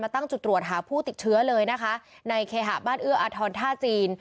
ตั้งจุดตรวจหาผู้ติดเชื้อเลยนะคะในเคหะบ้านเอื้ออาทรท่าจีน